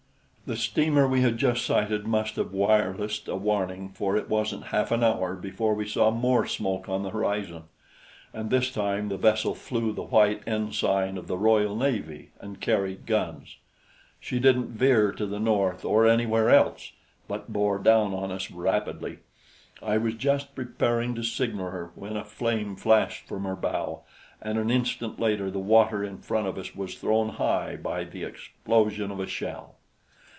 The steamer we had just sighted must have wirelessed a warning, for it wasn't half an hour before we saw more smoke on the horizon, and this time the vessel flew the white ensign of the Royal Navy and carried guns. She didn't veer to the north or anywhere else, but bore down on us rapidly. I was just preparing to signal her, when a flame flashed from her bows, and an instant later the water in front of us was thrown high by the explosion of a shell.